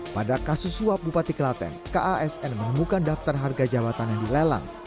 pada kasus suap bupati kelaten kasn menemukan daftar harga jabatan yang dilelang